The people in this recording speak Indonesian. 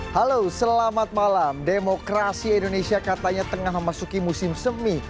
halo selamat malam demokrasi indonesia katanya tengah memasuki musim semi